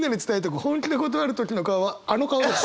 本気で断る時の顔はあの顔です。